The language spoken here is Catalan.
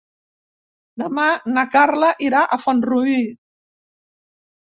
Demà na Carla irà a Font-rubí.